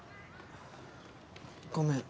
ごめん。